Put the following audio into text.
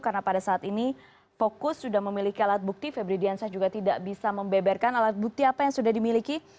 karena pada saat ini fokus sudah memiliki alat bukti febri diansyah juga tidak bisa membeberkan alat bukti apa yang sudah dimiliki